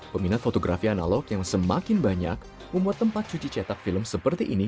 peminat fotografi analog yang semakin banyak membuat tempat cuci cetak film seperti ini